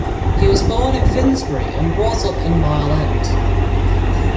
He was born in Finsbury and brought up in Mile End.